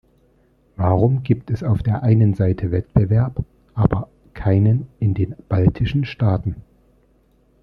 Warum gibt es auf der einen Seite Wettbewerb, aber keinen in den baltischen Staaten?